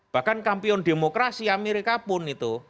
bahkan kampion demokrasi amerika pun itu